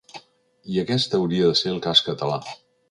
I aquest hauria de ser el cas català.